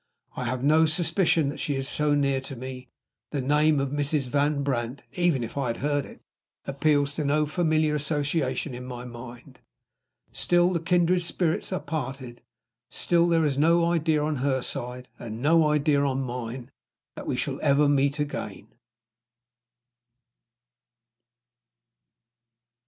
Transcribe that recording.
I have no suspicion that she is so near to me: the name of Mrs. Van Brandt (even if I had heard it) appeals to no familiar association in my mind. Still the kindred spirits are parted. Still there is no idea on her side, and no idea on mine, that we shall ever meet again.